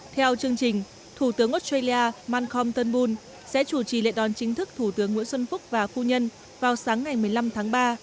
theo chương trình thủ tướng australia malcolm turnbull sẽ chủ trì lệ đoàn chính thức thủ tướng nguyễn xuân phúc và phu nhân vào sáng ngày một mươi năm tháng ba